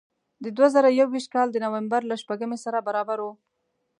د دوه زره یو ویشت کال د نوامبر له شپږمې سره برابر و.